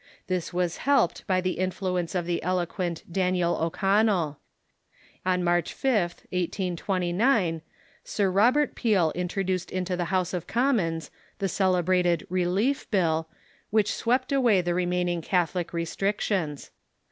This was helped by the influence of the eloquent Daniel O'Connell. On March 5th, 1829, Sir Robert Peel introduced into the House of Commons the celebrated Relief Bill, which swept away the remaining Catholic restrictions.